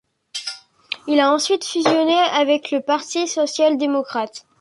Il a ensuite fusionné avec le Parti social-démocrate.